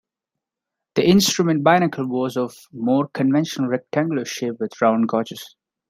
The instrument binnacle was of a more conventional rectangular shape, with round gauges.